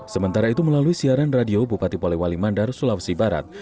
sementara itu melalui siaran radio bupati polewali mandar sulawesi barat